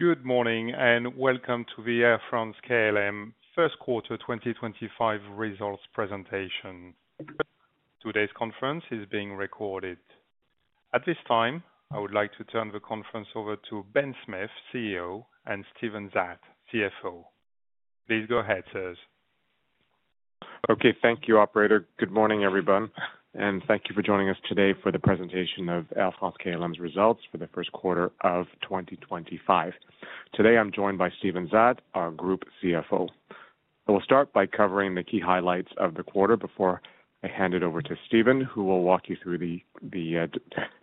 Good morning and welcome to the Air France-KLM First Quarter 2025 Results Presentation. Today's conference is being recorded. At this time, I would like to turn the conference over to Ben Smith, CEO, and Steven Zaat, CFO. Please go ahead, sir. Okay, thank you, Operator. Good morning, everyone, and thank you for joining us today for the presentation of Air France-KLM's results for the first quarter of 2025. Today I'm joined by Steven Zaat, our Group CFO. I will start by covering the key highlights of the quarter before I hand it over to Steven, who will walk you through the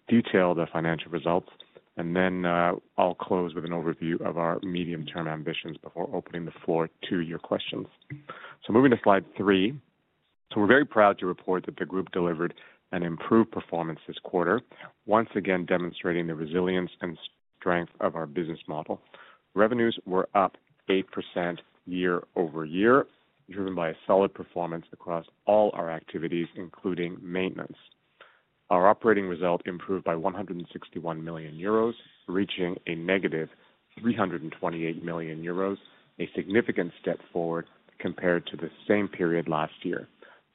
detailed financial results, and then I'll close with an overview of our medium-term ambitions before opening the floor to your questions. Moving to slide three. We're very proud to report that the Group delivered an improved performance this quarter, once again demonstrating the resilience and strength of our business model. Revenues were up 8% year-over-year, driven by solid performance across all our activities, including maintenance. Our operating result improved by 161 million euros, reaching a negative 328 million euros, a significant step forward compared to the same period last year,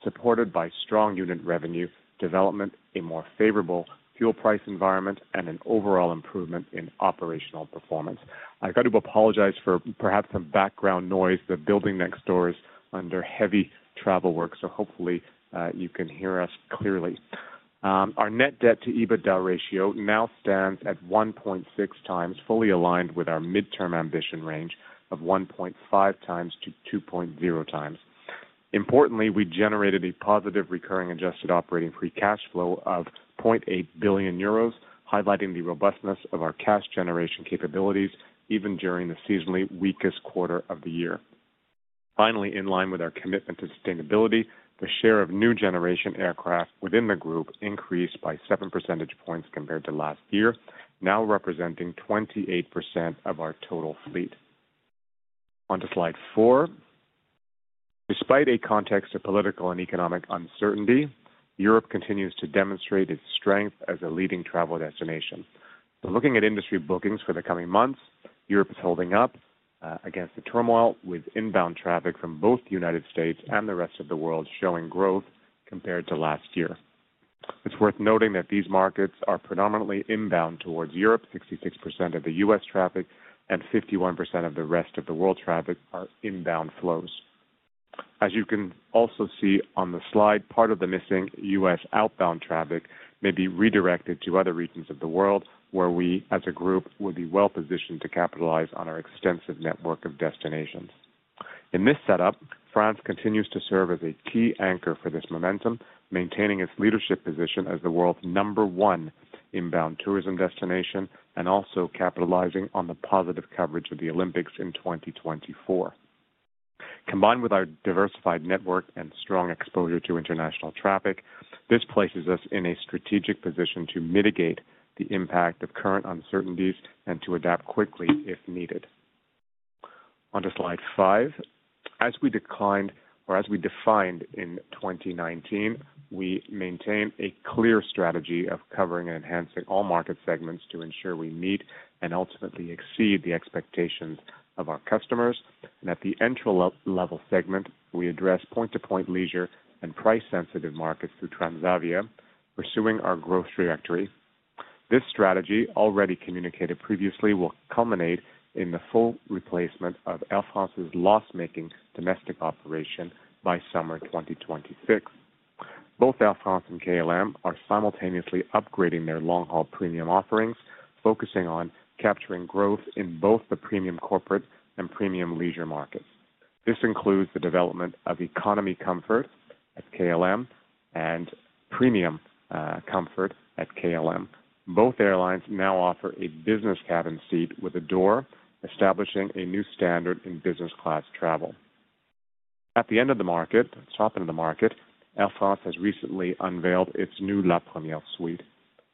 supported by strong unit revenue development, a more favorable fuel price environment, and an overall improvement in operational performance. I've got to apologize for perhaps some background noise; the building next door is under heavy travel works, so hopefully you can hear us clearly. Our net debt-to-EBITDA ratio now stands at 1.6 times, fully aligned with our midterm ambition range of 1.5-2.0 times. Importantly, we generated a positive recurring adjusted operating free cash flow of 0.8 billion euros, highlighting the robustness of our cash generation capabilities even during the seasonally weakest quarter of the year. Finally, in line with our commitment to sustainability, the share of new generation aircraft within the Group increased by 7 percentage points compared to last year, now representing 28% of our total fleet. On to slide four. Despite a context of political and economic uncertainty, Europe continues to demonstrate its strength as a leading travel destination. Looking at industry bookings for the coming months, Europe is holding up against the turmoil, with inbound traffic from both the U.S. and the rest of the world showing growth compared to last year. It is worth noting that these markets are predominantly inbound towards Europe; 66% of the U.S. traffic and 51% of the rest of the world traffic are inbound flows. As you can also see on the slide, part of the missing U.S. outbound traffic may be redirected to other regions of the world where we, as a Group, would be well positioned to capitalize on our extensive network of destinations. In this setup, France continues to serve as a key anchor for this momentum, maintaining its leadership position as the world's number one inbound tourism destination and also capitalizing on the positive coverage of the Olympics in 2024. Combined with our diversified network and strong exposure to international traffic, this places us in a strategic position to mitigate the impact of current uncertainties and to adapt quickly if needed. On to slide five. As we defined in 2019, we maintain a clear strategy of covering and enhancing all market segments to ensure we meet and ultimately exceed the expectations of our customers. At the entry-level segment, we address point-to-point leisure and price-sensitive markets through Transavia, pursuing our growth trajectory. This strategy, already communicated previously, will culminate in the full replacement of Air France's loss-making domestic operation by summer 2026. Both Air France and KLM are simultaneously upgrading their long-haul premium offerings, focusing on capturing growth in both the premium corporate and premium leisure markets. This includes the development of Economy Comfort at KLM and Premium Comfort at KLM. Both airlines now offer a Business cabin seat with door, establishing a new standard in business-class travel. At the top end of the market, Air France has recently unveiled its new La Première suite.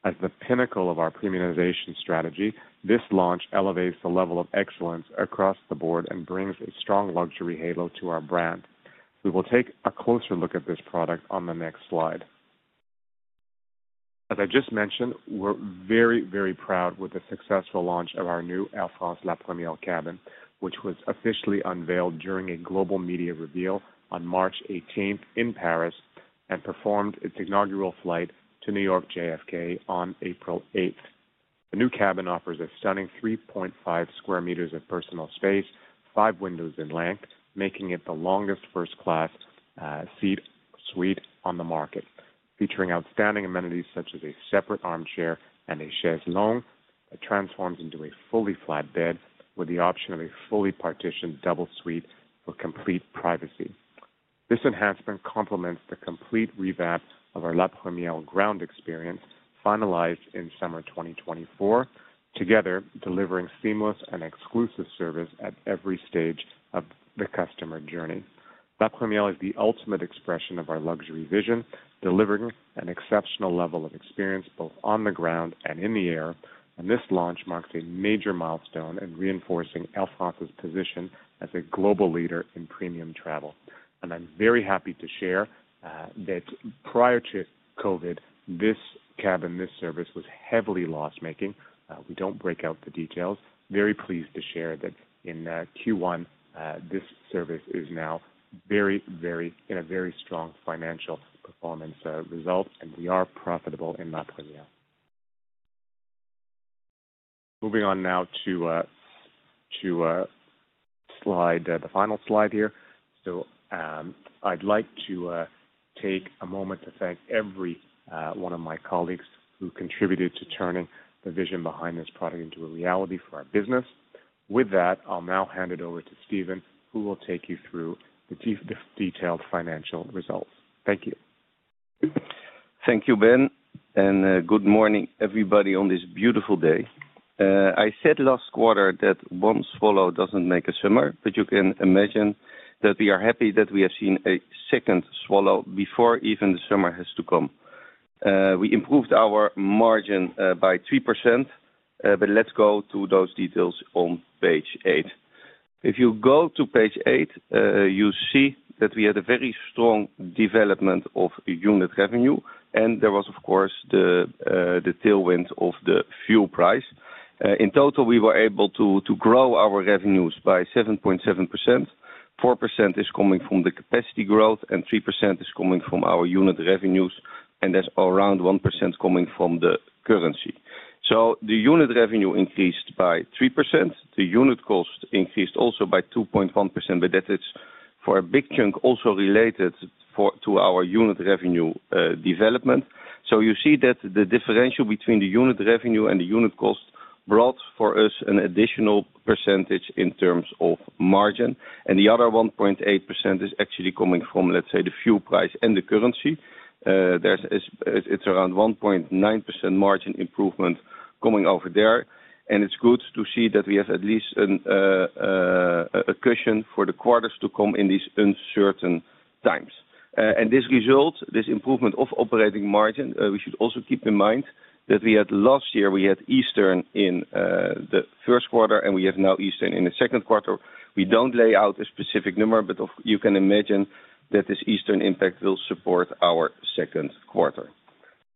As the pinnacle of our premiumization strategy, this launch elevates the level of excellence across the board and brings a strong luxury halo to our brand. We will take a closer look at this product on the next slide. As I just mentioned, we're very, very proud with the successful launch of our new Air France La Première cabin, which was officially unveiled during a global media reveal on March 18th in Paris and performed its inaugural flight to New York JFK on April 8th. The new cabin offers a stunning 3.5 sq m of personal space, five windows in length, making it the longest first-class seat suite on the market, featuring outstanding amenities such as a separate armchair and a chaise longue that transforms into a fully flat bed with the option of a fully partitioned double suite for complete privacy. This enhancement complements the complete revamp of our La Première ground experience, finalized in summer 2024, together delivering seamless and exclusive service at every stage of the customer journey. La Première is the ultimate expression of our luxury vision, delivering an exceptional level of experience both on the ground and in the air, and this launch marks a major milestone in reinforcing Air France's position as a global leader in premium travel. I am very happy to share that prior to COVID, this cabin, this service was heavily loss-making. We do not break out the details. Very pleased to share that in Q1, this service is now very, very in a very strong financial performance result, and we are profitable in La Première. Moving on now to slide, the final slide here. I would like to take a moment to thank every one of my colleagues who contributed to turning the vision behind this product into a reality for our business. With that, I will now hand it over to Steven, who will take you through the detailed financial results. Thank you. Thank you, Ben, and good morning, everybody, on this beautiful day. I said last quarter that one swallow does not make a summer, but you can imagine that we are happy that we have seen a second swallow before even the summer has to come. We improved our margin by 3%, but let's go to those details on page eight. If you go to page eight, you see that we had a very strong development of unit revenue, and there was, of course, the tailwind of the fuel price. In total, we were able to grow our revenues by 7.7%. 4% is coming from the capacity growth, and 3% is coming from our unit revenues, and there is around 1% coming from the currency. The unit revenue increased by 3%. The unit cost increased also by 2.1%, but that is for a big chunk also related to our unit revenue development. You see that the differential between the unit revenue and the unit cost brought for us an additional % in terms of margin. The other 1.8% is actually coming from, let's say, the fuel price and the currency. There is around 1.9% margin improvement coming over there, and it's good to see that we have at least a cushion for the quarters to come in these uncertain times. This result, this improvement of operating margin, we should also keep in mind that we had last year, we had Easter in the first quarter, and we have now Easter in the second quarter. We do not lay out a specific number, but you can imagine that this Easter impact will support our second quarter.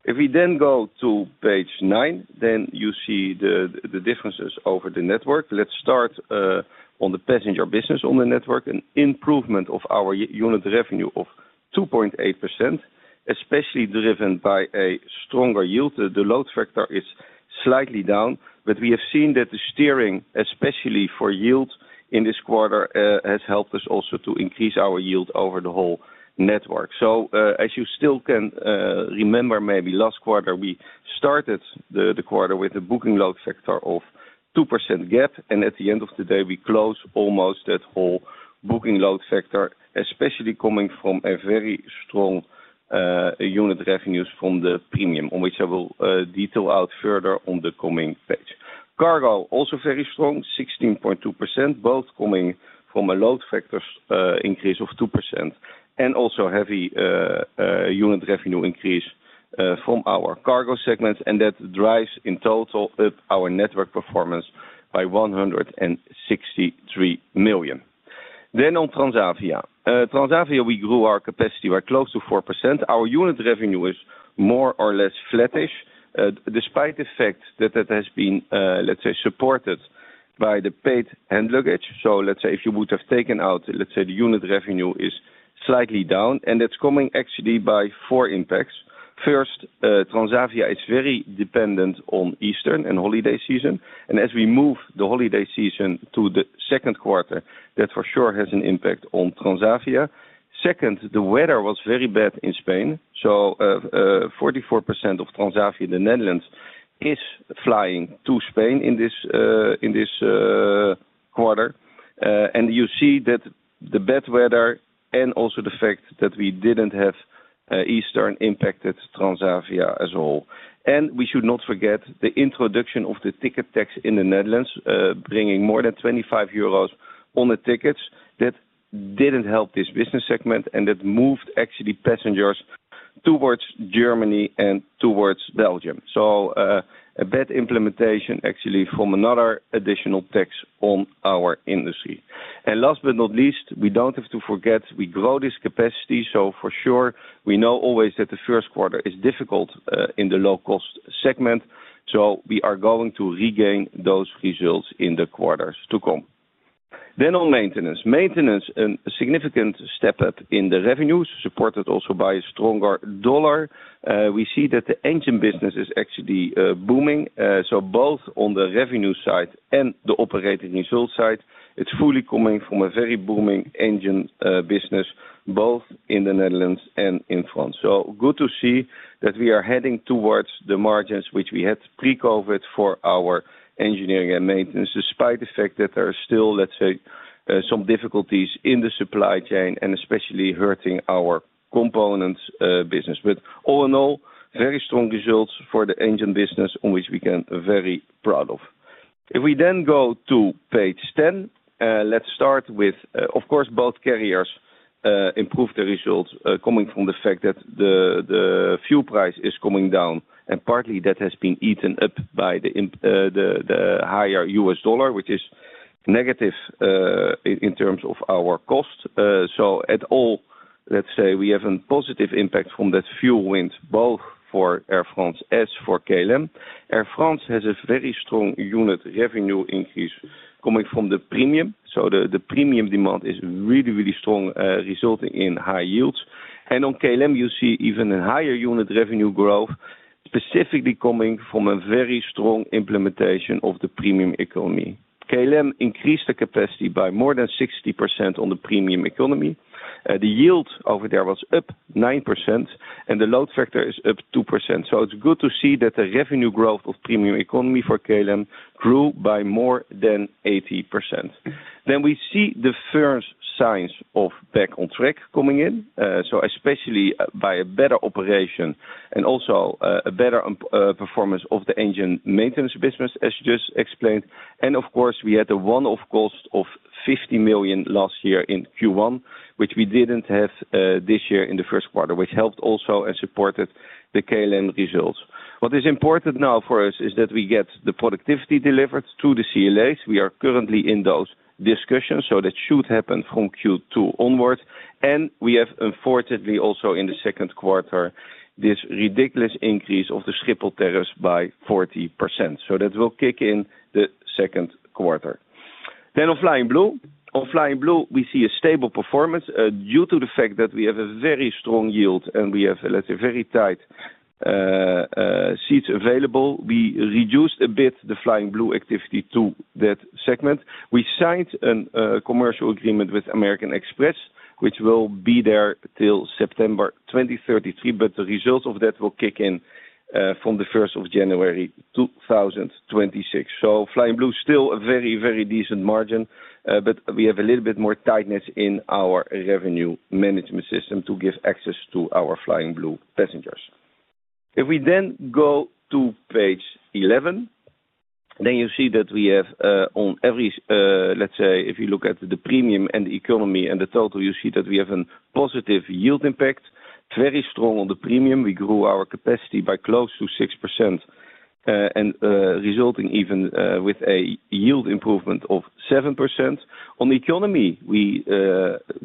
If we then go to page nine, you see the differences over the network. Let's start on the passenger business on the network, an improvement of our unit revenue of 2.8%, especially driven by a stronger yield. The load factor is slightly down, but we have seen that the steering, especially for yield in this quarter, has helped us also to increase our yield over the whole network. As you still can remember, maybe last quarter, we started the quarter with a booking load factor of 2% gap, and at the end of the day, we closed almost that whole booking load factor, especially coming from a very strong unit revenues from the premium, which I will detail out further on the coming page. Cargo, also very strong, 16.2%, both coming from a load factor increase of 2% and also heavy unit revenue increase from our cargo segments, and that drives in total up our network performance by 163 million. On Transavia. Transavia, we grew our capacity by close to 4%. Our unit revenue is more or less flattish, despite the fact that it has been, let's say, supported by the paid hand luggage. Let's say if you would have taken out, let's say, the unit revenue is slightly down, and that's coming actually by four impacts. First, Transavia is very dependent on Easter and holiday season, and as we move the holiday season to the second quarter, that for sure has an impact on Transavia. Second, the weather was very bad in Spain, so 44% of Transavia, the Netherlands, is flying to Spain in this quarter, and you see that the bad weather and also the fact that we didn't have Easter impacted Transavia as a whole. We should not forget the introduction of the ticket tax in the Netherlands, bringing more than 25 euros on the tickets. That did not help this business segment, and that moved actually passengers towards Germany and towards Belgium. A bad implementation actually from another additional tax on our industry. Last but not least, we do not have to forget we grow this capacity. For sure, we know always that the first quarter is difficult in the low-cost segment, so we are going to regain those results in the quarters to come. On maintenance, a significant step up in the revenues, supported also by a stronger dollar. We see that the engine business is actually booming, so both on the revenue side and the operating results side. It is fully coming from a very booming engine business, both in the Netherlands and in France. Good to see that we are heading towards the margins which we had pre-COVID for our engineering and maintenance, despite the fact that there are still, let's say, some difficulties in the supply chain and especially hurting our components business. All in all, very strong results for the engine business, which we can be very proud of. If we then go to page ten, let's start with, of course, both carriers improved the results coming from the fact that the fuel price is coming down, and partly that has been eaten up by the higher U.S. dollar, which is negative in terms of our cost. All in all, let's say we have a positive impact from that fuel tailwind, both for Air France as for KLM. Air France has a very strong unit revenue increase coming from the premium, so the premium demand is really, really strong, resulting in high yields. On KLM, you see even a higher unit revenue growth, specifically coming from a very strong implementation of the Premium Economy. KLM increased the capacity by more than 60% on the Premium Economy. The yield over there was up 9%, and the load factor is up 2%. It is good to see that the revenue growth of the Premium Economy for KLM grew by more than 80%. We see the first signs of Back on Track coming in, especially by a better operation and also a better performance of the engine maintenance business, as just explained. Of course, we had a one-off cost of 50 million last year in Q1, which we did not have this year in the first quarter, which helped also and supported the KLM results. What is important now for us is that we get the productivity delivered to the CLAs. We are currently in those discussions, so that should happen from Q2 onward. We have unfortunately also in the second quarter this ridiculous increase of the Schiphol tariffs by 40%, so that will kick in the second quarter. On Flying Blue, we see a stable performance due to the fact that we have a very strong yield and we have, let's say, very tight seats available. We reduced a bit the Flying Blue activity to that segment. We signed a commercial agreement with American Express, which will be there till September 2033, but the results of that will kick in from the 1st of January 2026. So Flying Blue, still a very, very decent margin, but we have a little bit more tightness in our revenue management system to give access to our Flying Blue passengers. If we then go to page 11, then you see that we have on every, let's say, if you look at the premium and the Economy and the total, you see that we have a positive yield impact, very strong on the premium. We grew our capacity by close to 6%, resulting even with a yield improvement of 7%. On the Economy, we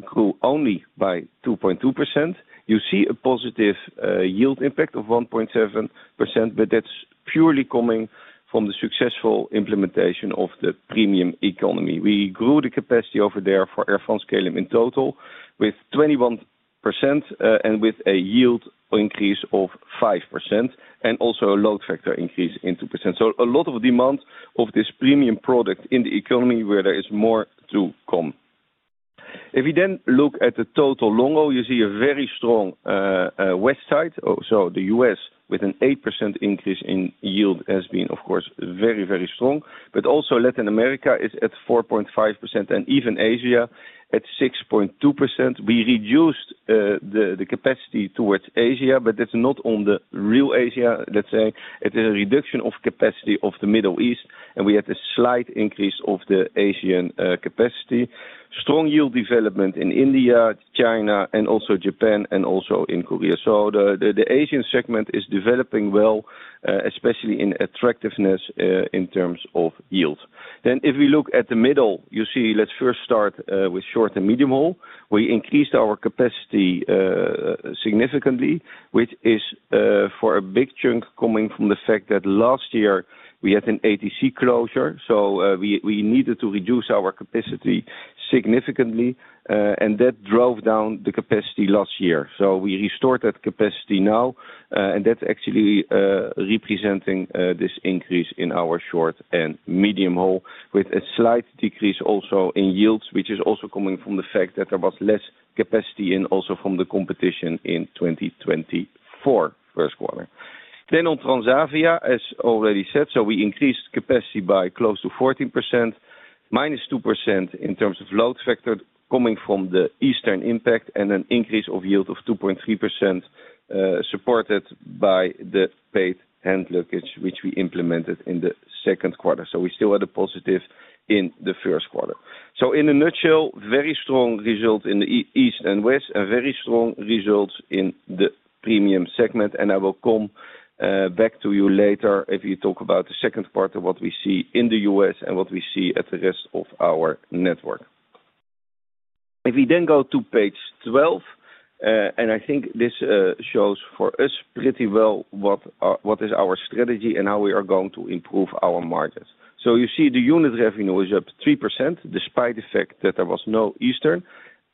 grew only by 2.2%. You see a positive yield impact of 1.7%, but that's purely coming from the successful implementation of the Premium Economy. We grew the capacity over there for Air France-KLM in total with 21% and with a yield increase of 5% and also a load factor increase in 2%. A lot of demand of this premium product in the Economy where there is more to come. If we then look at the total long-haul, you see a very strong West side. The U.S. with an 8% increase in yield has been, of course, very, very strong, but also Latin America is at 4.5% and even Asia at 6.2%. We reduced the capacity towards Asia, but that's not on the real Asia, let's say. It is a reduction of capacity of the Middle East, and we had a slight increase of the Asian capacity. Strong yield development in India, China, and also Japan, and also in Korea. The Asian segment is developing well, especially in attractiveness in terms of yield. If we look at the middle, you see, let's first start with short and medium haul. We increased our capacity significantly, which is for a big chunk coming from the fact that last year we had an ATC closure, so we needed to reduce our capacity significantly, and that drove down the capacity last year. We restored that capacity now, and that's actually representing this increase in our short and medium haul with a slight decrease also in yields, which is also coming from the fact that there was less capacity in also from the competition in 2024 first quarter. On Transavia, as already said, we increased capacity by close to 14%, minus 2% in terms of load factor coming from the Easter impact, and an increase of yield of 2.3% supported by the paid hand luggage, which we implemented in the second quarter. We still had a positive in the first quarter. In a nutshell, very strong result in the East and West, a very strong result in the premium segment, and I will come back to you later if you talk about the second quarter, what we see in the U.S. and what we see at the rest of our network. If we go to page 12, I think this shows for us pretty well what is our strategy and how we are going to improve our margins. You see the unit revenue is up 3% despite the fact that there was no Easter.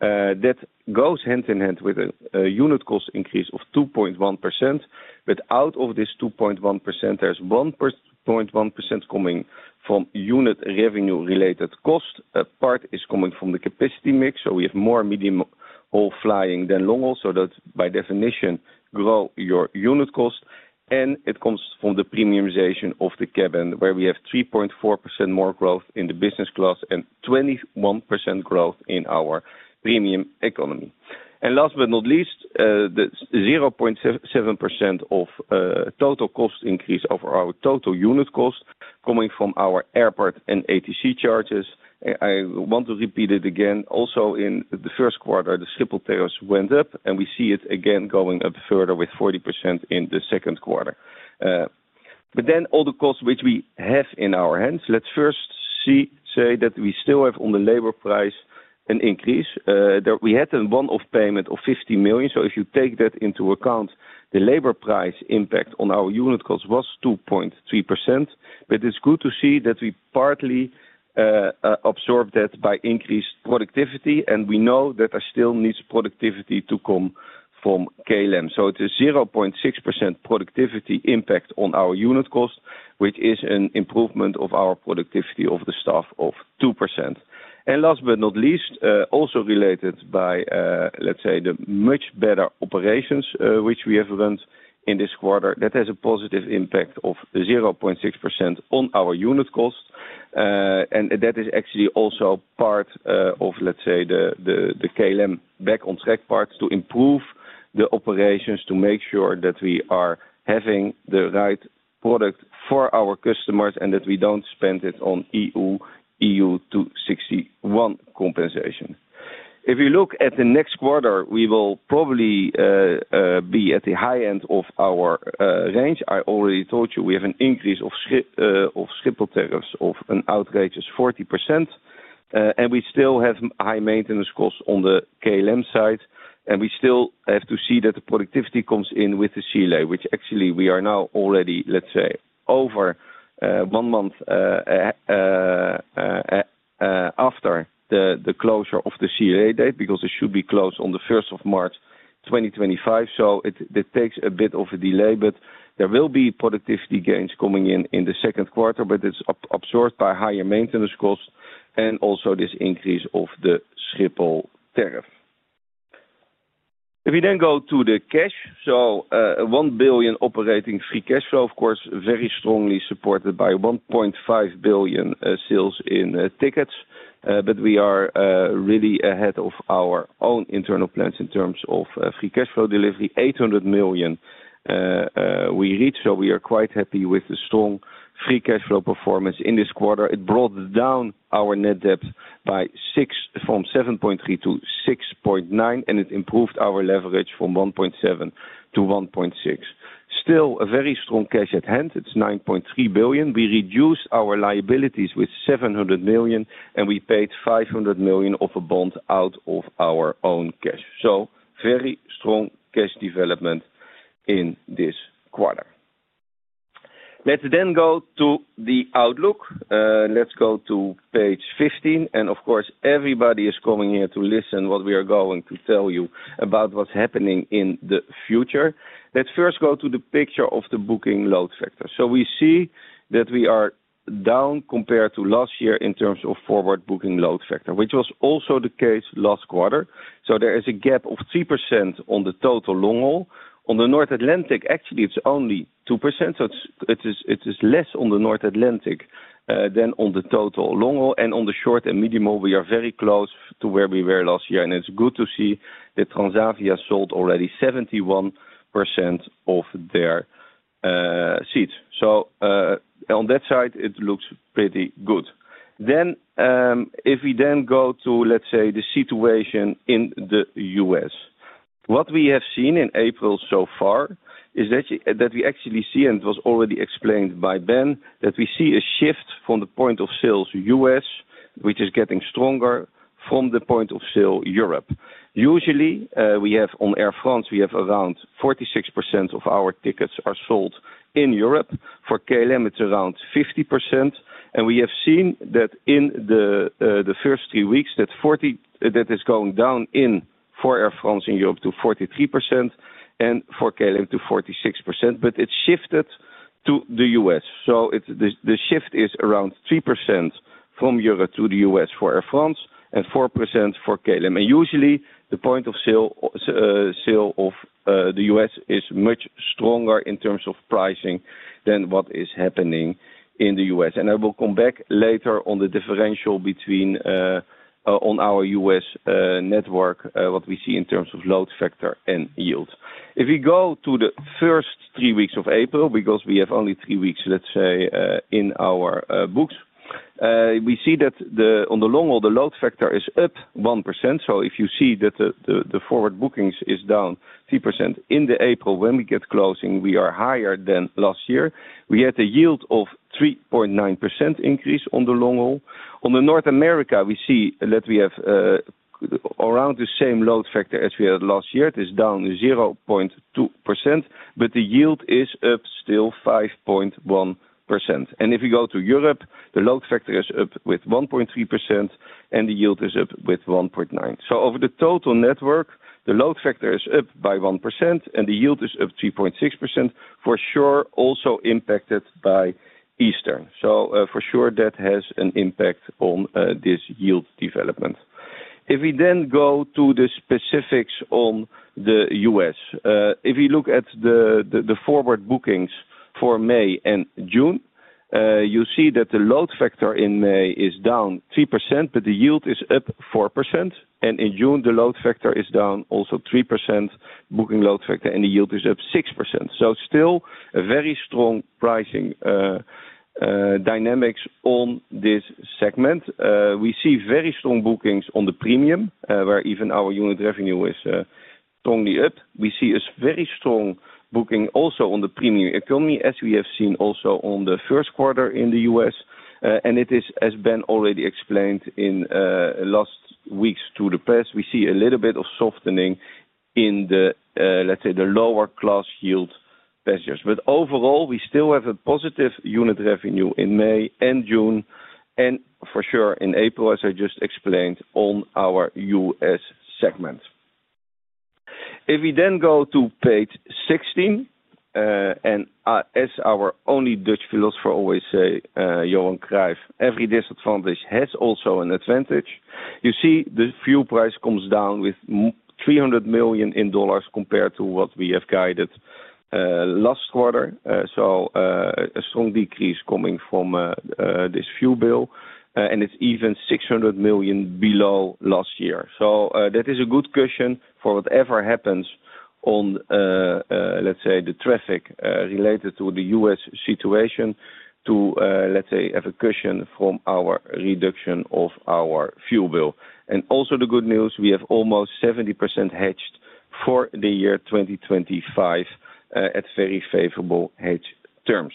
That goes hand in hand with a unit cost increase of 2.1%. Out of this 2.1%, there is 1.1% coming from unit revenue-related cost. A part is coming from the capacity mix, so we have more medium haul flying than long-haul, so that by definition, grows your unit cost. It comes from the premiumization of the cabin, where we have 3.4% more growth in the Business Class and 21% growth in our Premium Economy. Last but not least, the 0.7% of total cost increase of our total unit cost is coming from our airport and ATC charges. I want to repeat it again. Also in the first quarter, the Schiphol tariff went up, and we see it again going up further with 40% in the second quarter. All the costs which we have in our hands, let's first say that we still have on the labor price an increase. We had a one-off payment of 50 million, so if you take that into account, the labor price impact on our unit cost was 2.3%, but it's good to see that we partly absorbed that by increased productivity, and we know that there still needs productivity to come from KLM. It's a 0.6% productivity impact on our unit cost, which is an improvement of our productivity of the staff of 2%. Last but not least, also related by, let's say, the much better operations which we have run in this quarter, that has a positive impact of 0.6% on our unit cost. That is actually also part of, let's say, the KLM Back on Track part to improve the operations to make sure that we are having the right product for our customers and that we do not spend it on EU 261 compensation. If you look at the next quarter, we will probably be at the high end of our range. I already told you we have an increase of Schiphol tariffs of an outrageous 40%, and we still have high maintenance costs on the KLM side, and we still have to see that the productivity comes in with the CLA, which actually we are now already, let's say, over one month after the closure of the CLA date because it should be closed on the 1st of March 2025. It takes a bit of a delay, but there will be productivity gains coming in in the second quarter, but it is absorbed by higher maintenance costs and also this increase of the Schiphol tariff. If we then go to the cash, 1 billion operating free cash flow, of course, very strongly supported by 1.5 billion sales in tickets, but we are really ahead of our own internal plans in terms of free cash flow delivery. 800 million we reached, so we are quite happy with the strong free cash flow performance in this quarter. It brought down our net debt from 7.3 billion to 6.9 billion, and it improved our leverage from 1.7 to 1.6. Still a very strong cash at hand. It is 9.3 billion. We reduced our liabilities with 700 million, and we paid 500 million of a bond out of our own cash. Very strong cash development in this quarter. Let's then go to the outlook. Let's go to page 15, and of course, everybody is coming here to listen to what we are going to tell you about what's happening in the future. Let's first go to the picture of the booking load factor. We see that we are down compared to last year in terms of forward booking load factor, which was also the case last quarter. There is a gap of 3% on the total long-haul. On the North Atlantic, actually, it's only 2%, so it is less on the North Atlantic than on the total long-haul, and on the short and medium haul, we are very close to where we were last year, and it's good to see that Transavia sold already 71% of their seats. On that side, it looks pretty good. If we then go to, let's say, the situation in the U.S., what we have seen in April so far is that we actually see, and it was already explained by Ben, that we see a shift from the point of sale U.S., which is getting stronger, from the point of sale Europe. Usually, we have on Air France, we have around 46% of our tickets sold in Europe. For KLM, it's around 50%, and we have seen that in the first three weeks, that is going down for Air France in Europe to 43% and for KLM to 46%, but it shifted to the U.S. The shift is around 3% from Europe to the U.S. for Air France and 4% for KLM. Usually, the point of sale of the U.S. is much stronger in terms of pricing than what is happening in the U.S. I will come back later on the differential between on our US network, what we see in terms of load factor and yield. If we go to the first three weeks of April, because we have only three weeks, let's say, in our books, we see that on the long-haul, the load factor is up 1%. If you see that the forward bookings is down 3% in April, when we get closing, we are higher than last year. We had a yield of 3.9% increase on the long-haul. On North America, we see that we have around the same load factor as we had last year. It is down 0.2%, but the yield is up still 5.1%. If you go to Europe, the load factor is up with 1.3%, and the yield is up with 1.9%. Over the total network, the load factor is up by 1%, and the yield is up 3.6%, for sure also impacted by Easter. For sure, that has an impact on this yield development. If we then go to the specifics on the U.S., if you look at the forward bookings for May and June, you see that the load factor in May is down 3%, but the yield is up 4%. In June, the load factor is down also 3%, booking load factor, and the yield is up 6%. Still a very strong pricing dynamics on this segment. We see very strong bookings on the premium, where even our unit revenue is strongly up. We see a very strong booking also on the Premium Economy, as we have seen also on the first quarter in the U.S. It is, as Ben already explained in last weeks to the press, we see a little bit of softening in the, let's say, the lower-class yield measures. Overall, we still have a positive unit revenue in May and June, and for sure in April, as I just explained, on our U.S. segment. If we then go to page 16, and as our only Dutch philosopher always says, Johan Cruyff, every disadvantage has also an advantage. You see the fuel price comes down with $300 million compared to what we have guided last quarter. A strong decrease is coming from this fuel bill, and it is even $600 million below last year. That is a good cushion for whatever happens on, let's say, the traffic related to the U.S. situation to, let's say, have a cushion from our reduction of our fuel bill. Also, the good news, we have almost 70% hedged for the year 2025 at very favorable hedge terms.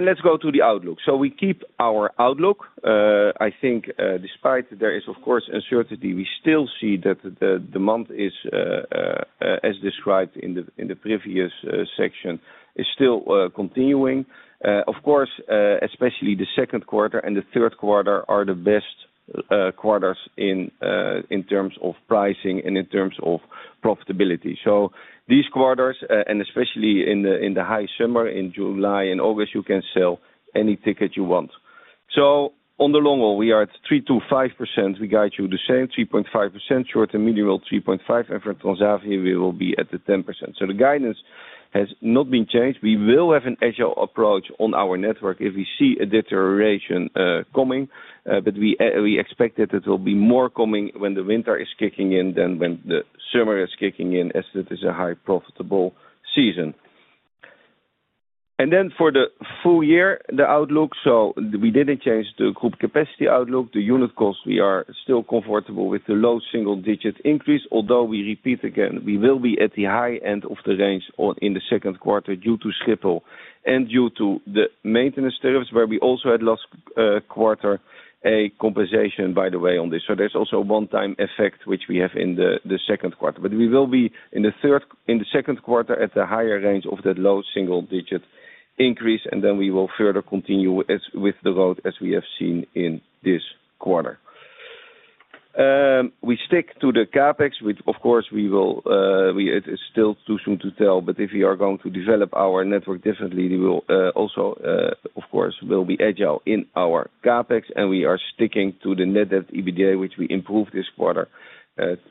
Let's go to the outlook. We keep our outlook. I think despite there is, of course, uncertainty, we still see that the month is, as described in the previous section, still continuing. Of course, especially the second quarter and the third quarter are the best quarters in terms of pricing and in terms of profitability. These quarters, and especially in the high summer in July and August, you can sell any ticket you want. On the long-haul, we are at 3.25%. We guide you the same 3.5%, short and medium haul 3.5%. For Transavia, we will be at the 10%. The guidance has not been changed. We will have an agile approach on our network if we see a deterioration coming, but we expect that it will be more coming when the winter is kicking in than when the summer is kicking in, as it is a high profitable season. For the full year, the outlook, we did not change the group capacity outlook. The unit cost, we are still comfortable with the low single-digit increase, although we repeat again, we will be at the high end of the range in the second quarter due to Schiphol and due to the maintenance tariffs, where we also had last quarter a compensation, by the way, on this. There is also a one-time effect, which we have in the second quarter. We will be in the second quarter at the higher range of that low single-digit increase, and then we will further continue with the road as we have seen in this quarter. We stick to the CAPEX, which, of course, we will, it is still too soon to tell, but if we are going to develop our network differently, we will also, of course, be agile in our CAPEX, and we are sticking to the net debt-to-EBITDA, which we improved this quarter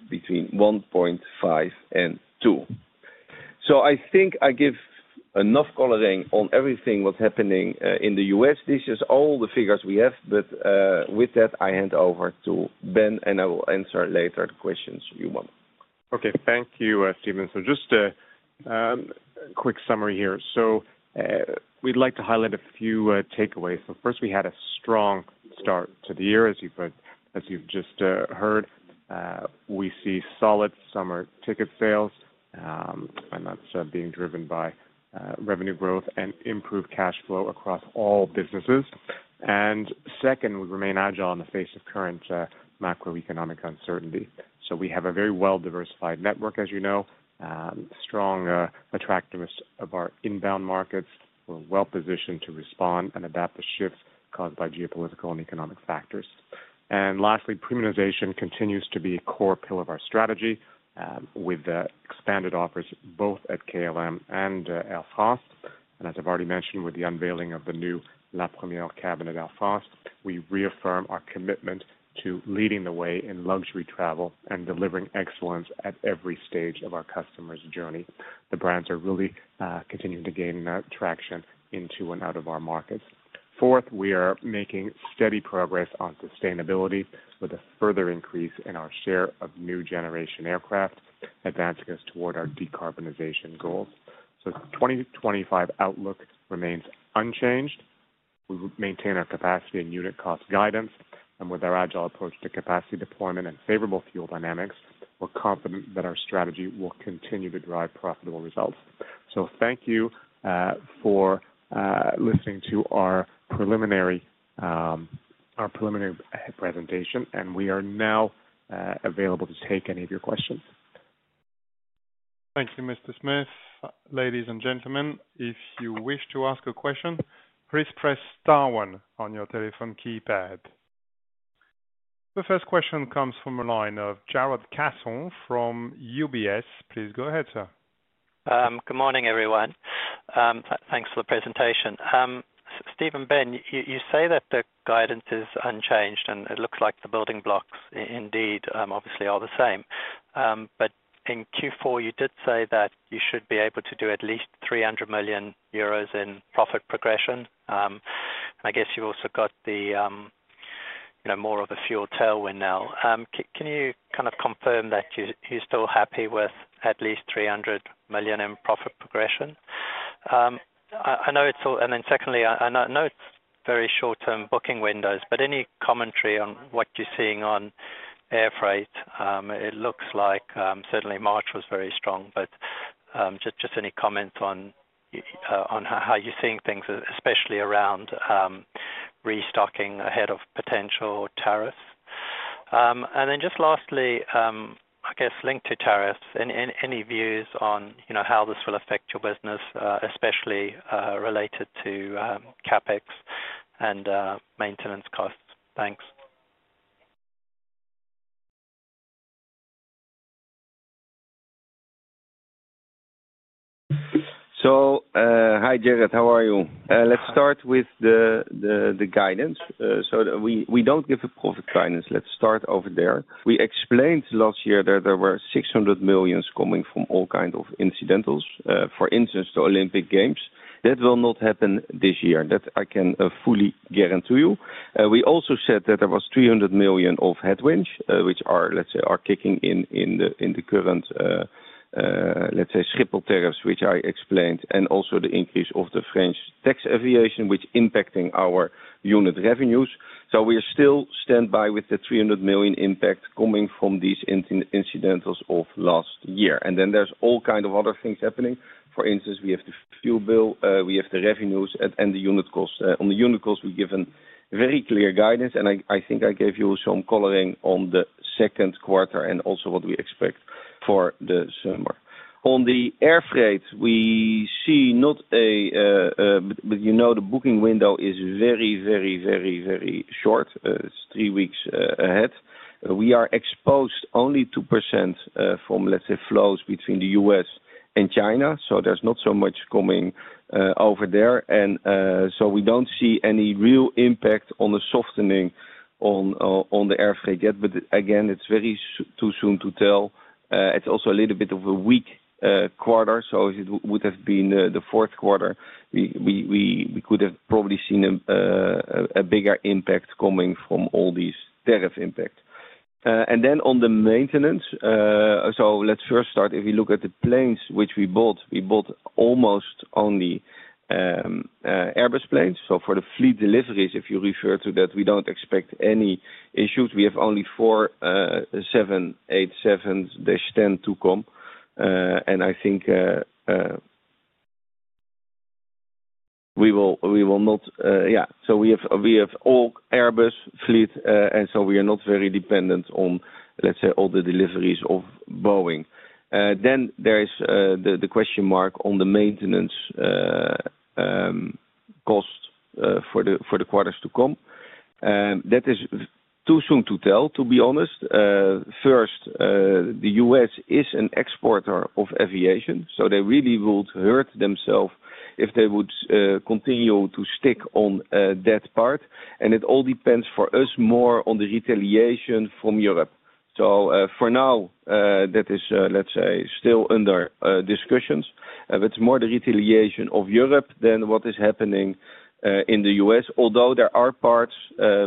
between 1.5 and 2. I think I give enough coloring on everything what's happening in the U.S. This is all the figures we have, but with that, I hand over to Ben, and I will answer later the questions you want. Thank you, Steven. Just a quick summary here. We'd like to highlight a few takeaways. First, we had a strong start to the year, as you've just heard. We see solid summer ticket sales, and that's being driven by revenue growth and improved cash flow across all businesses. Second, we remain agile in the face of current macroeconomic uncertainty. We have a very well-diversified network, as you know, strong attractiveness of our inbound markets. We're well-positioned to respond and adapt to shifts caused by geopolitical and economic factors. Lastly, premiumization continues to be a core pillar of our strategy with expanded offers both at KLM and Air France. As I've already mentioned, with the unveiling of the new La Première cabin at Air France, we reaffirm our commitment to leading the way in luxury travel and delivering excellence at every stage of our customers' journey. The brands are really continuing to gain traction into and out of our markets. Fourth, we are making steady progress on sustainability with a further increase in our share of new generation aircraft, advancing us toward our decarbonization goals. The 2025 outlook remains unchanged. We maintain our capacity and unit cost guidance, and with our agile approach to capacity deployment and favorable fuel dynamics, we are confident that our strategy will continue to drive profitable results. Thank you for listening to our preliminary presentation, and we are now available to take any of your questions. Thank you, Mr. Smith. Ladies, and gentlemen, if you wish to ask a question, please press star one on your telephone keypad. The first question comes from a line of Jarrod Castle from UBS. Please go ahead, sir. Good morning, everyone. Thanks for the presentation. Steven, Ben, you say that the guidance is unchanged, and it looks like the building blocks indeed, obviously, are the same. In Q4, you did say that you should be able to do at least 300 million euros in profit progression. I guess you've also got more of a fuel tailwind now. Can you kind of confirm that you're still happy with at least 300 million in profit progression? I know it's all, and then secondly, I know it's very short-term booking windows, but any commentary on what you're seeing on air freight? It looks like certainly March was very strong, but just any comments on how you're seeing things, especially around restocking ahead of potential tariffs? Lastly, I guess linked to tariffs, any views on how this will affect your business, especially related to CAPEX and maintenance costs? Thanks. Hi, Jarrod. How are you? Let's start with the guidance. We don't give a profit guidance. Let's start over there. We explained last year that there were 600 million coming from all kinds of incidentals, for instance, the Olympic Games. That will not happen this year. That I can fully guarantee you. We also said that there was 300 million of headwinds, which are, let's say, kicking in in the current, let's say, Schiphol tariffs, which I explained, and also the increase of the French tax aviation, which is impacting our unit revenues. We are still standby with the 300 million impact coming from these incidentals of last year. There are all kinds of other things happening. For instance, we have the fuel bill, we have the revenues, and the unit costs. On the unit costs, we've given very clear guidance, and I think I gave you some coloring on the second quarter and also what we expect for the summer. On the air freight, we see not a, but you know the booking window is very, very, very, very short. It is three weeks ahead. We are exposed only 2% from, let's say, flows between the U.S. and China, so there is not so much coming over there. We do not see any real impact on the softening on the air freight yet, but again, it is very too soon to tell. It is also a little bit of a weak quarter, so if it would have been the fourth quarter, we could have probably seen a bigger impact coming from all these tariff impacts. On the maintenance, let us first start. If you look at the planes which we bought, we bought almost only Airbus planes. For the fleet deliveries, if you refer to that, we do not expect any issues. We have only four 787-10 to come. I think we will not, yeah. We have all Airbus fleet, and we are not very dependent on, let's say, all the deliveries of Boeing. There is the question mark on the maintenance cost for the quarters to come. That is too soon to tell, to be honest. First, the U.S. is an exporter of aviation, so they really would hurt themselves if they would continue to stick on that part. It all depends for us more on the retaliation from Europe. For now, that is, let's say, still under discussions. It is more the retaliation of Europe than what is happening in the U.S., although there are parts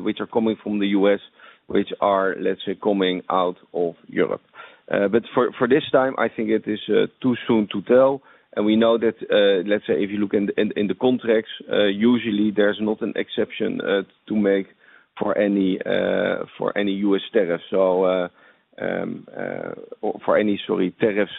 which are coming from the U.S. which are, let's say, coming out of Europe. For this time, I think it is too soon to tell. We know that, let's say, if you look in the contracts, usually there's not an exception to make for any U.S. tariffs or any, sorry, tariffs,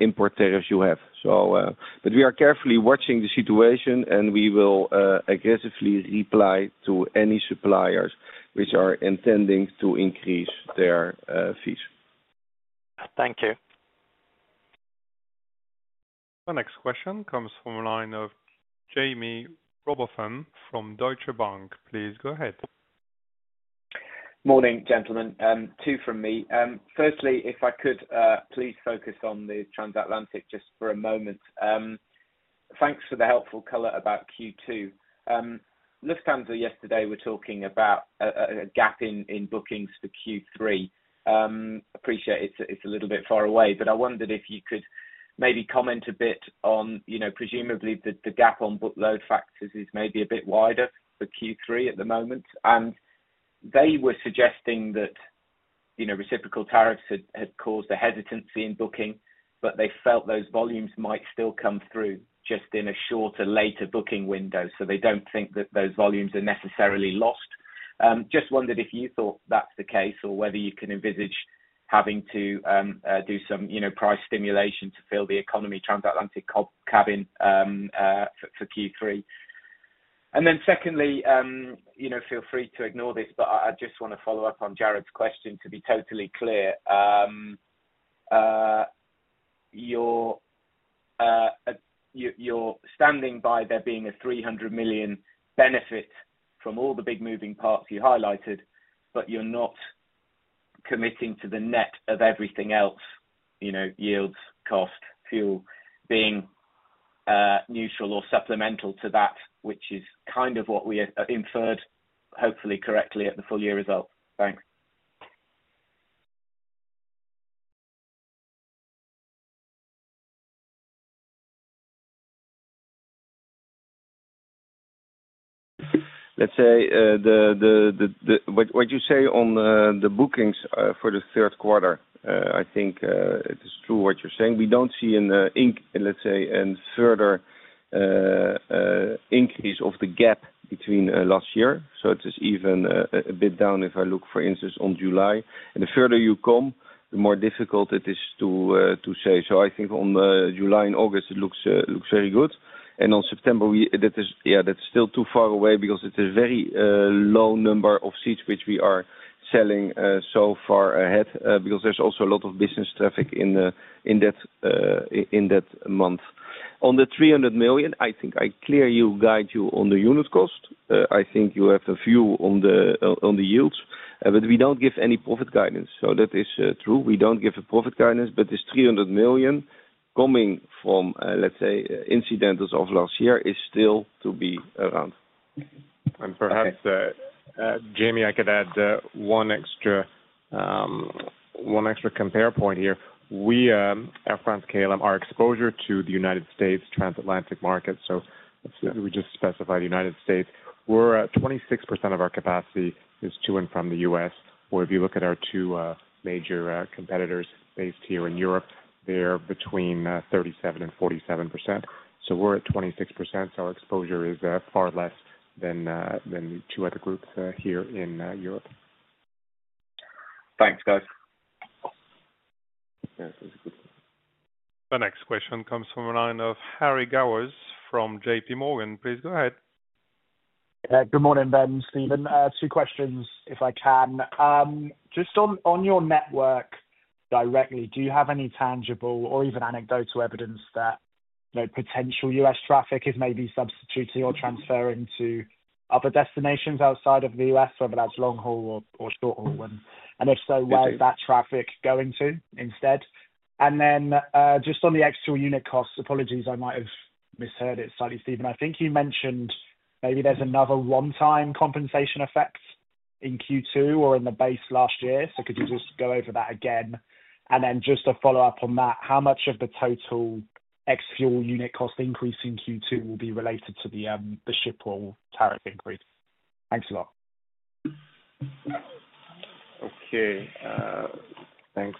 import tariffs you have. We are carefully watching the situation, and we will aggressively reply to any suppliers which are intending to increase their fees. Thank you. The next question comes from a line of Jamie Rowbotham from Deutsche Bank. Please go ahead. Morning, gentlemen. Two from me. Firstly, if I could please focus on the transatlantic just for a moment. Thanks for the helpful color about Q2. Lufthansa yesterday were talking about a gap in bookings for Q3. Appreciate it's a little bit far away, but I wondered if you could maybe comment a bit on presumably the gap on bookload factors is maybe a bit wider for Q3 at the moment. They were suggesting that reciprocal tariffs had caused a hesitancy in booking, but they felt those volumes might still come through just in a shorter later booking window, so they do not think that those volumes are necessarily lost. I just wondered if you thought that is the case or whether you can envisage having to do some price stimulation to fill the Economy transatlantic cabin for Q3. Secondly, feel free to ignore this, but I just want to follow up on Jarrod question to be totally clear. You are standing by there being a 300 million benefit from all the big moving parts you highlighted, but you are not committing to the net of everything else, yields, cost, fuel being neutral or supplemental to that, which is kind of what we inferred, hopefully correctly, at the full year result. Thanks. Let's say what you say on the bookings for the third quarter, I think it is true what you're saying. We don't see an, let's say, a further increase of the gap between last year. It is even a bit down if I look, for instance, on July. The further you come, the more difficult it is to say. I think on July and August, it looks very good. On September, yeah, that's still too far away because it is a very low number of seats which we are selling so far ahead because there's also a lot of business traffic in that month. On the 300 million, I think I clearly guide you on the unit cost. I think you have a view on the yields, but we don't give any profit guidance. That is true. We don't give a profit guidance, but this $300 million coming from, let's say, incidentals of last year is still to be around. Perhaps, Jamie, I could add one extra compare point here. We, Air France-KLM, our exposure to the United States transatlantic market, so we just specify the U.S. We're at 26% of our capacity is to and from the U.S., where if you look at our two major competitors based here in Europe, they're between 37% and 47%. We're at 26%, so our exposure is far less than the two other groups here in Europe. Thanks, guys. The next question comes from a line of Harry Gowers from JP Morgan. Please go ahead. Good morning, Ben, Steven. Two questions, if I can. Just on your network directly, do you have any tangible or even anecdotal evidence that potential U.S. traffic is maybe substituting or transferring to other destinations outside of the U.S., whether that's long haul or short haul? If so, where is that traffic going to instead? Just on the extra unit costs, apologies, I might have misheard it slightly, Steven. I think you mentioned maybe there's another one-time compensation effect in Q2 or in the base last year. Could you just go over that again? Just a follow-up on that, how much of the total ex-fuel unit cost increase in Q2 will be related to the Schiphol tariff increase? Thanks a lot. Okay. Thanks,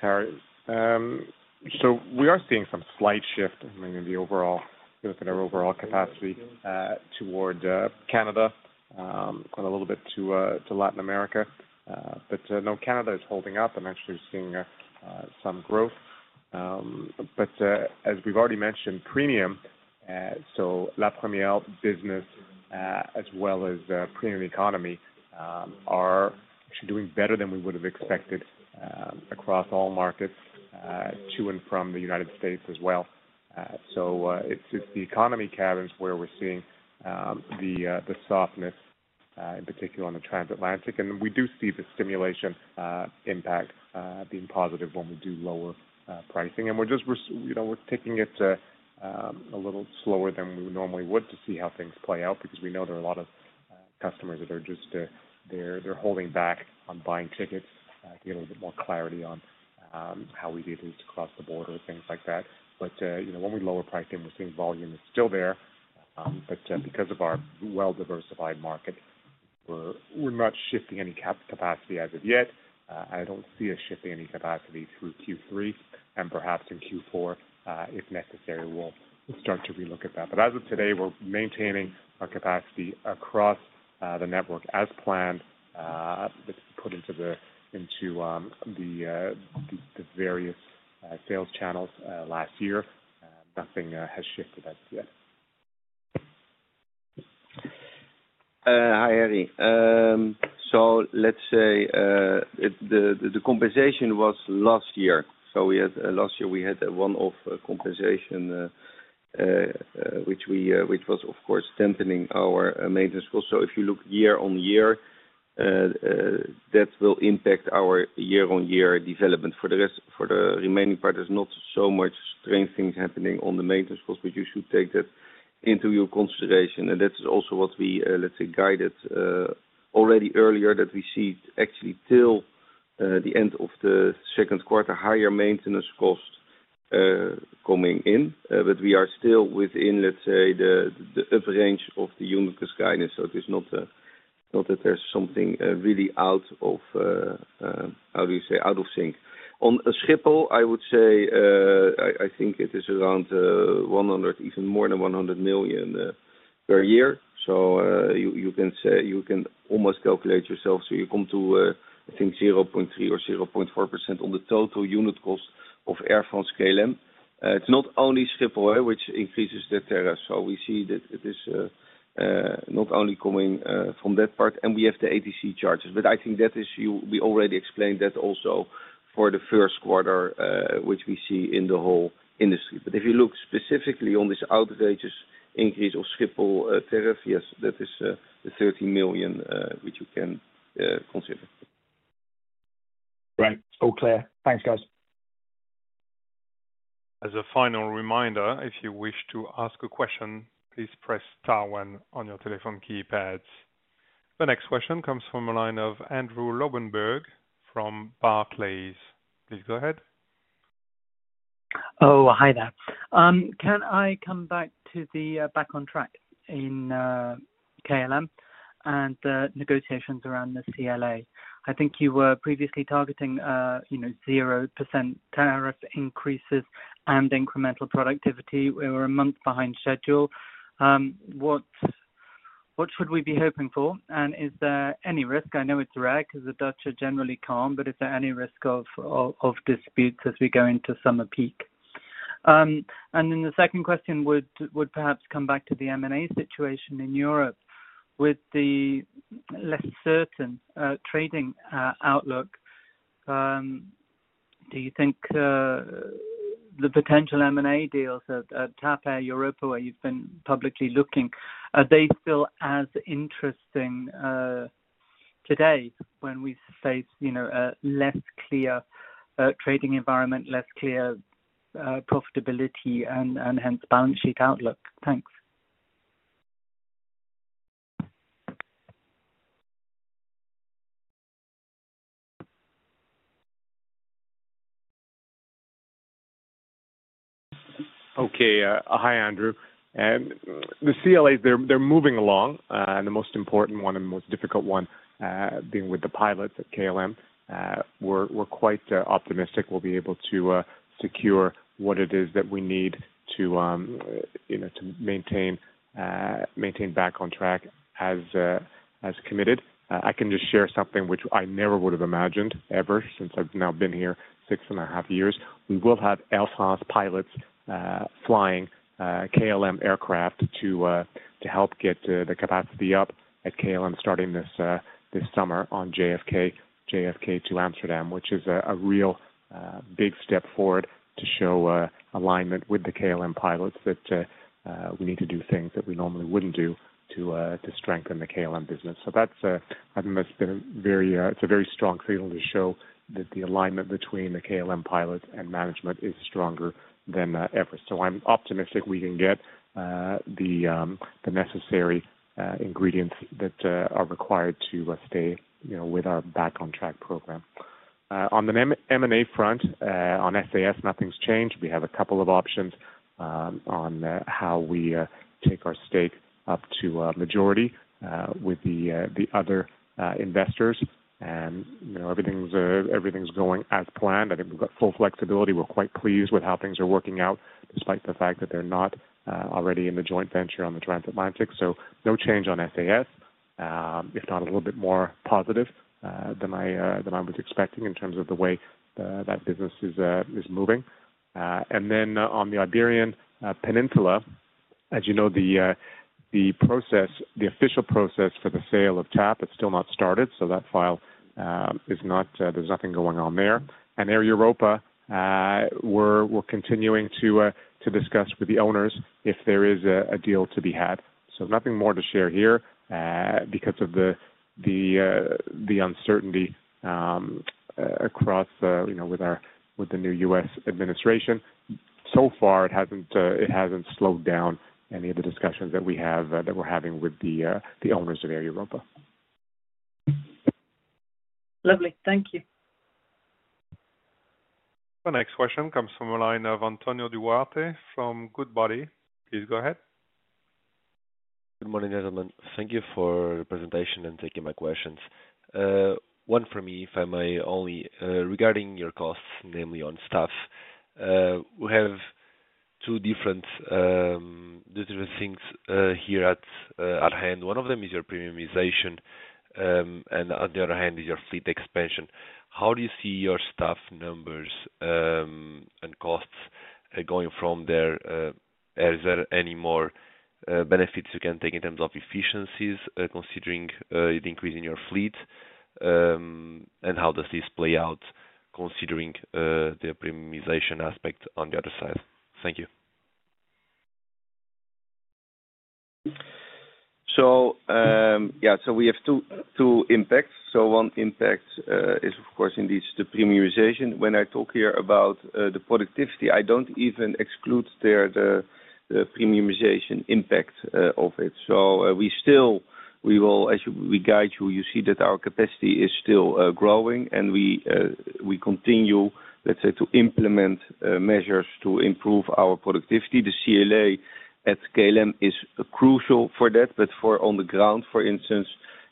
Harry. We are seeing some slight shift in the overall, look at our overall capacity toward Canada and a little bit to Latin America. No, Canada is holding up and actually seeing some growth. As we've already mentioned, premium, so La Première, Business as well as Premium Economy are actually doing better than we would have expected across all markets to and from the United States as well. It is the Economy cabins where we're seeing the softness, in particular on the transatlantic. We do see the stimulation impact being positive when we do lower pricing. We're just taking it a little slower than we normally would to see how things play out because we know there are a lot of customers that are just holding back on buying tickets to get a little bit more clarity on how easy it is to cross the border and things like that. When we lower pricing, we're seeing volume is still there. Because of our well-diversified market, we're not shifting any capacity as of yet. I don't see us shifting any capacity through Q3. Perhaps in Q4, if necessary, we'll start to relook at that. As of today, we're maintaining our capacity across the network as planned. It's put into the various sales channels last year. Nothing has shifted as of yet. Hi, Harry. Let's say the compensation was last year. Last year, we had one-off compensation, which was, of course, tampering our maintenance costs. If you look year-on-year, that will impact our year-on-year development. For the remaining part, there's not so much strengthening happening on the maintenance costs, but you should take that into your consideration. That's also what we guided already earlier, that we see actually till the end of the second quarter, higher maintenance costs coming in. We are still within, let's say, the upper range of the unit guidance. It is not that there's something really out of, how do you say, out of sync. On Schiphol, I would say I think it is around 100 million, even more than 100 million per year. You can almost calculate yourself. You come to, I think, 0.3% or 0.4% on the total unit cost of Air France-KLM. It's not only Schiphol, which increases the tariffs. We see that it is not only coming from that part. We have the ATC charges. I think that is, we already explained that also for the first quarter, which we see in the whole industry. If you look specifically on this outrageous increase of Schiphol tariff, yes, that is the 30 million which you can consider. Right. All clear. Thanks, guys. As a final reminder, if you wish to ask a question, please press star one on your telephone keypads. The next question comes from a line of Andrew Lobbenberg from Barclays. Please go ahead. Oh, hi there. Can I come back to the Back on Track in KLM and the negotiations around the CLA? I think you were previously targeting 0% tariff increases and incremental productivity. We were a month behind schedule. What should we be hoping for? Is there any risk? I know it's rare because the Dutch are generally calm, but is there any risk of disputes as we go into summer peak? The second question would perhaps come back to the M&A situation in Europe. With the less certain trading outlook, do you think the potential M&A deals at TAP, Europa, where you've been publicly looking, are they still as interesting today when we face a less clear trading environment, less clear profitability, and hence balance sheet outlook? Thanks. Okay. Hi, Andrew. The CLAs, they're moving along. The most important one and the most difficult one being with the pilots at KLM, we're quite optimistic we'll be able to secure what it is that we need to maintain Back on Track as committed. I can just share something which I never would have imagined ever since I've now been here six and a half years. We will have Air France pilots flying KLM aircraft to help get the capacity up at KLM starting this summer on JFK to Amsterdam, which is a real big step forward to show alignment with the KLM pilots that we need to do things that we normally would not do to strengthen the KLM business. I think that has been a very, it is a very strong signal to show that the alignment between the KLM pilots and management is stronger than ever. I am optimistic we can get the necessary ingredients that are required to stay with our Back on Track program. On the M&A front, on SAS, nothing has changed. We have a couple of options on how we take our stake up to majority with the other investors. Everything is going as planned. I think we have got full flexibility. We're quite pleased with how things are working out despite the fact that they're not already in the joint venture on the transatlantic. No change on SAS, if not a little bit more positive than I was expecting in terms of the way that business is moving. On the Iberian Peninsula, as you know, the official process for the sale of TAP has still not started. That file, there's nothing going on there. Air Europa, we're continuing to discuss with the owners if there is a deal to be had. Nothing more to share here because of the uncertainty across with the new US administration. So far, it hasn't slowed down any of the discussions that we're having with the owners of Air Europa. Lovely. Thank you. The next question comes from a line of Antonio Duarte from Goodbody. Please go ahead. Good morning, gentlemen. Thank you for the presentation and taking my questions. One for me, if I may only, regarding your costs, namely on staff. We have two different things here at hand. One of them is your premiumization, and on the other hand is your fleet expansion. How do you see your staff numbers and costs going from there? Is there any more benefits you can take in terms of efficiencies considering the increase in your fleet? How does this play out considering the premiumization aspect on the other side? Thank you. Yeah, we have two impacts. One impact is, of course, indeed, the premiumization. When I talk here about the productivity, I do not even exclude the premiumization impact of it. We still, as we guide you, you see that our capacity is still growing, and we continue, let's say, to implement measures to improve our productivity. The CLA at KLM is crucial for that. For on the ground, for instance,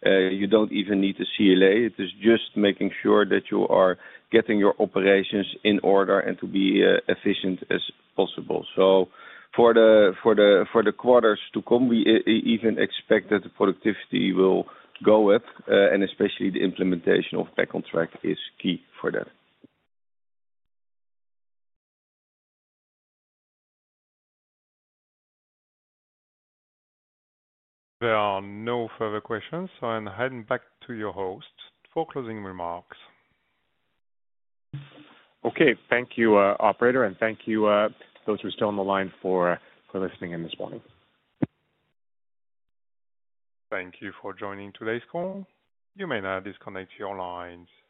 you do not even need a CLA. It is just making sure that you are getting your operations in order and to be efficient as possible. For the quarters to come, we even expect that the productivity will go up, and especially the implementation of Back on Track is key for that. There are no further questions. I am heading back to your host for closing remarks. Okay. Thank you, operator, and thank you to those who are still on the line for listening in this morning. Thank you for joining today's call. You may now disconnect your lines.